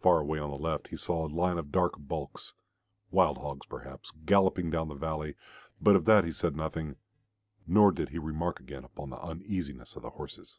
Far away on the left he saw a line of dark bulks wild hog perhaps, galloping down the valley, but of that he said nothing, nor did he remark again upon the uneasiness of the horses.